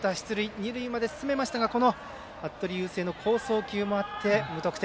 二塁まで進めましたがこの服部優成の好送球もあって無得点。